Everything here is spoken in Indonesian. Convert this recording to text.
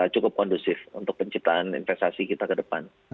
cukup kondusif untuk penciptaan investasi kita ke depan